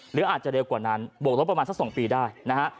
หรืออาจจะเร็วกว่านั้นบวกลบประมาณสัก๒ปีได้นะฮะ